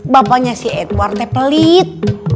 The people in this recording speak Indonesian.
bapaknya si edwardnya pelit